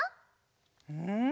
うん？